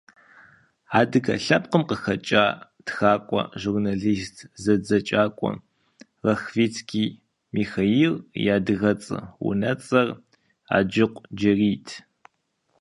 Адыгэ лъэпкъым къыхэкӀа тхакӏуэ, журнэлист, зэдзэкӏакӏуэ Лохвицкий Михаил и адыгэцӏэ-унэцӏэр Аджыкъу Джэрийт.